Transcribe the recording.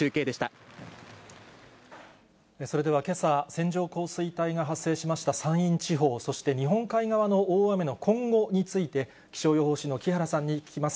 それではけさ、線状降水帯が発生しました山陰地方、そして、日本海側の大雨の今後について、気象予報士の木原さんに聞きます。